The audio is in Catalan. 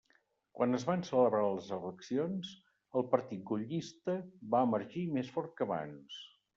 Quan es van celebrar les eleccions, el partit gaullista va emergir més fort que abans.